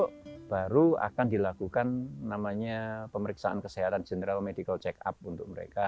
kalau baru akan dilakukan namanya pemeriksaan kesehatan general medical check up untuk mereka